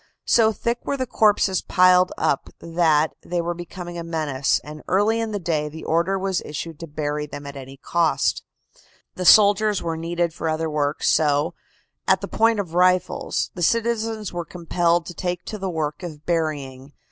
So thick were the corpses piled up that they were becoming a menace, and early in the day the order was issued to bury them at any cost. The soldiers were needed for other work, so, at the point of rifles, the citizens were compelled to take to the work of burying.